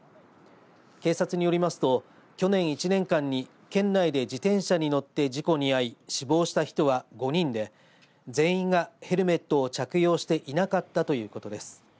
警察によりますと去年１年間に県内で自転車に乗って事故に遭い死亡した人は５人で全員がヘルメットを着用していなかったということです。